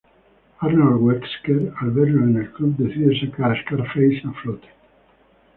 Arnold Wesker al verlo en el club decide sacar a Scarface a flote.